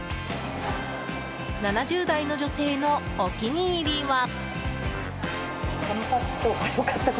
７０代の女性のお気に入りは。